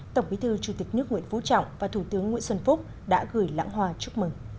tổng bí thư chủ tịch nước nguyễn phú trọng và thủ tướng nguyễn xuân phúc đã gửi lãng hoa chúc mừng